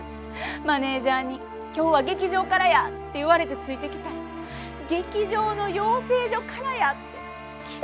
マネージャーに「今日は劇場からや」って言われてついてきて劇場の養成所からやってひどくないですか？